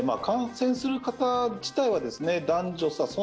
感染する方自体は男女差